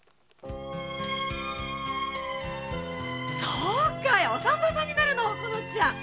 そうかいお産婆さんになるの？